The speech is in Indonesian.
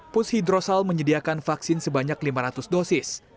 pus hidrosal menyediakan vaksin sebanyak lima ratus dosis